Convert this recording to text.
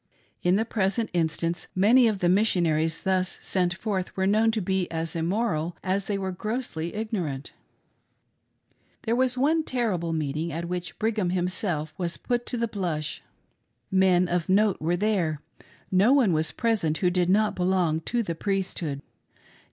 In the present instance many of the Missionaries thus sent forth were known to be as immoral as they were grossly ignorant. ^ There was one terrible meeting at which Brigham himself SELF CONVICTED. 31S was put to the blush. Men of note were there — no one was present who did not belong to the Priesthood.